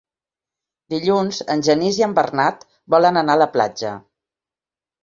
Dilluns en Genís i en Bernat volen anar a la platja.